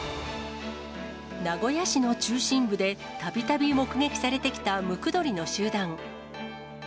名古屋市の中心部でたびたび目撃されてきたムクドリの集団。